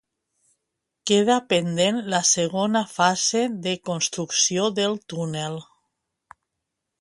Queda pendent la segona fase de construcció del túnel.